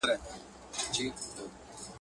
سفرونه به روان وي او زموږ پلونه به هیریږي !.